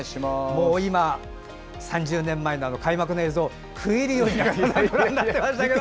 今、３０年前のあの開幕の映像を食い入るようにご覧になってましたけど。